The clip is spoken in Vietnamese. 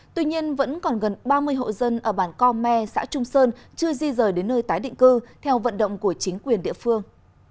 tuy nhiên vẫn còn gần ba mươi hộ dân ở bản co me xã trung sơn chưa di rời đến nơi tái định cư theo vận động của chính quyền địa phương